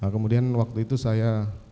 kemudian waktu itu saya